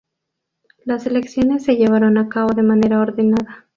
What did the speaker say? Las elecciones se llevaron a cabo de manera ordenada.